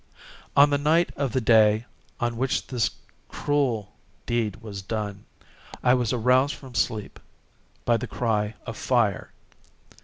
On the night of the day on which this cruel deed was done, I was aroused from sleep by the cry of fire.